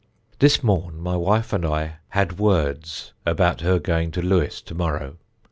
"This morn my wife and I had words about her going to Lewes to morrow.